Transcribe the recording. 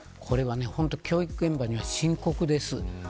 教育現場には深刻です。